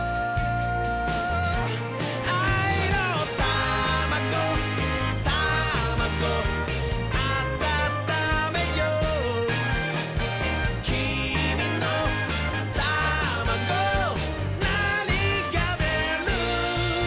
「あいのタマゴタマゴあたためよう」「きみのタマゴなにがでる？」